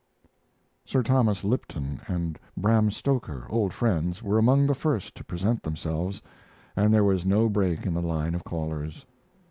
Sir Thomas Lipton and Bram Stoker, old friends, were among the first to present themselves, and there was no break in the line of callers.